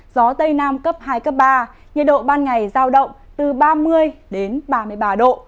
gió tây nam cấp hai cấp ba nhiệt độ ban ngày giao động từ ba mươi đến ba mươi ba độ